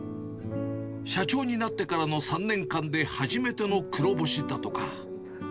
社長になってからの３年間で初めての黒星だとか。